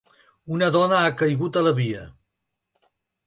Una dona ha caigut a la via.